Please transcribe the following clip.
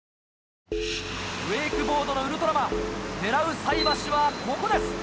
ウェイクボードのウルトラマン狙うさい箸はここです。